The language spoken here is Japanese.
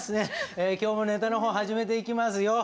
今日もネタの方始めていきますよ。